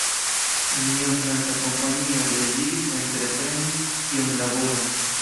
Neniu franca kompanio deziris entrepreni tiun laboron.